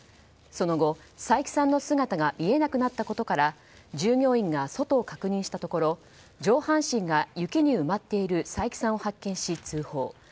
その後、斎木さんの姿が見えなくなったことから従業員が外を確認したところ上半身が雪に埋まっている斎木さんを発見し通報。